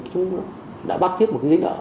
chúng đã bắt viết một cái giấy đợi